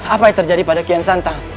apa yang terjadi pada kian santa